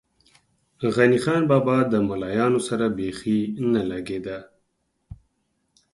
غني خان بابا ده ملایانو سره بېخی نه لږې ده.